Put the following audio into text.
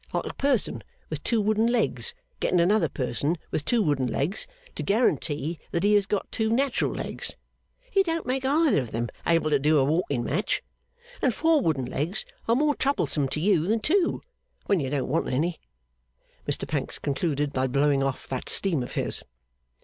Like a person with two wooden legs getting another person with two wooden legs, to guarantee that he has got two natural legs. It don't make either of them able to do a walking match. And four wooden legs are more troublesome to you than two, when you don't want any.' Mr Pancks concluded by blowing off that steam of his.